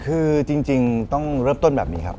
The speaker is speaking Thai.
คือจริงต้องเริ่มต้นแบบนี้ครับ